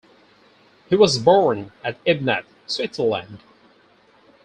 He was born at Ebnat, Switzerland.